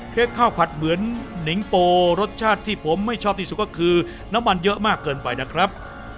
ขอบคุณครับ